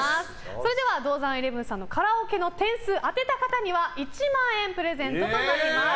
それではＤＯＺＡＮ１１さんのカラオケの点数当てた方には１万円プレゼントとなります。